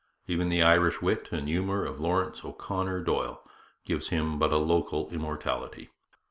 Even the Irish wit and humour of Laurence O'Connor Doyle gives him but a local immortality.